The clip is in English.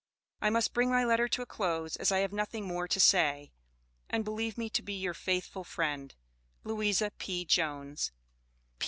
I must bring my lettor to a close as I have nothing more to say, and believe me to be your faithfull friend. LOUISA P. JONES.